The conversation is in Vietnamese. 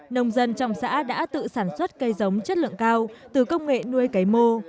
nông dân trong xã đã tự sản xuất cây giống chất lượng cao từ công nghệ nuôi cấy mô